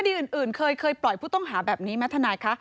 อื่นเคยปล่อยผู้ต้องหาแบบนี้ไหมทนายคะ